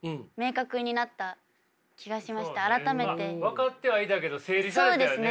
分かってはいたけど整理されたよね。